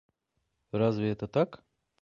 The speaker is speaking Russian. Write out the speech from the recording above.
Разве это так?